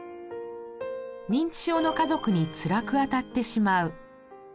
認知症の家族につらくあたってしまう。